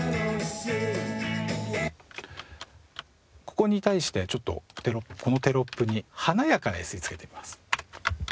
ここに対してちょっとこのテロップに華やかなＳＥをつけてみます。